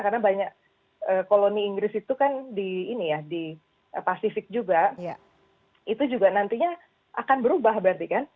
karena banyak koloni inggris itu kan di pasifik juga itu juga nantinya akan berubah berarti kan